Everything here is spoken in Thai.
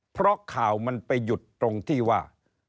เพราะข่าวมันไปหยุดตรงที่ว่า